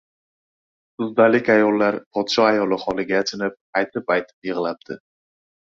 Suzdallik ayollar podsho ayoli holiga achinib, aytib-aytib yig‘labdi.